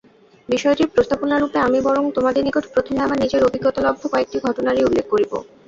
বিষয়টির প্রস্তাবনারূপে আমি বরং তোমাদের নিকট প্রথমে আমার নিজের অভিজ্ঞতালব্ধ কয়েকটি ঘটনারই উল্লেখ করিব।